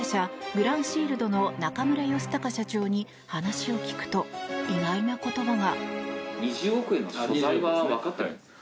グランシールドの中村佳敬社長に話を聞くと意外な言葉が。